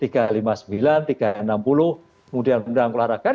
kemudian undang undang keolahragaan